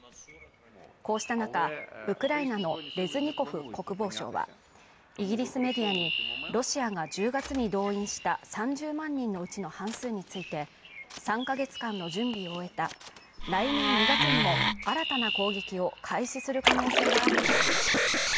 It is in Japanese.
こうした中、ウクライナのレズニコフ国防相はイギリスメディアにロシアが１０月に動員した３０万人のうちの半数について、３か月間の準備を終えた、来年２月にも新たな攻撃を開始する可能性があると述べました。